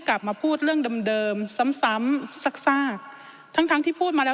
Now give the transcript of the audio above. กลับมาพูดเรื่องเดิมเดิมซ้ำซ้ำซากซากทั้งทั้งที่พูดมาแล้ว